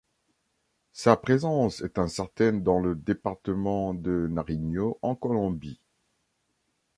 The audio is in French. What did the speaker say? Sa présence est incertaine dans le département de Nariño en Colombie.